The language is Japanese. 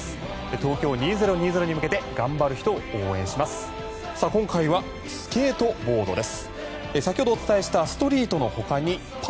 東京２０２０へ向けて頑張る人を応援します。